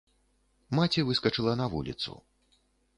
Маці выскачыла на вуліцу.